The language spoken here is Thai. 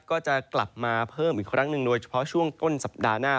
ก็จะกลับมาเพิ่มอีกครั้งหนึ่งโดยเฉพาะช่วงต้นสัปดาห์หน้า